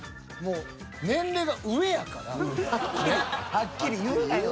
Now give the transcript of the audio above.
はっきり言うなよ